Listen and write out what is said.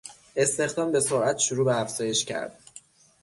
استخدام به سرعت شروع به افزایش کرد.